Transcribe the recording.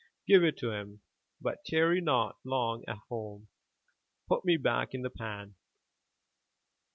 Give it to him, but tarry not long at home. Put me back in the pan."